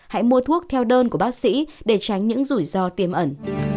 hãy mua thuốc theo đơn của bác sĩ để tránh những rủi ro tiềm ẩn